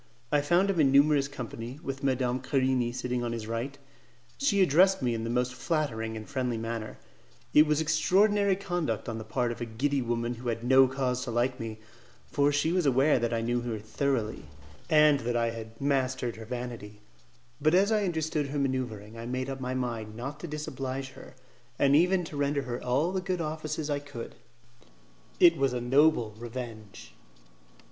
I found him in numerous company, with Madame Querini sitting on his right. She addressed me in the most flattering and friendly manner; it was extraordinary conduct on the part of a giddy woman who had no cause to like me, for she was aware that I knew her thoroughly, and that I had mastered her vanity; but as I understood her manoeuvring I made up my mind not to disoblige her, and even to render her all the good offices I could; it was a noble revenge.